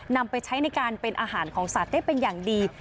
นำไปใช้ในการเป็นอาหารของสัตว์ได้เป็นอย่างดี